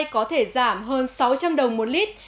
có thể giảm hơn sáu trăm linh đồng một lít